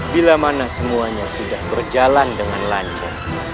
bila mana semuanya sudah berjalan dengan lancar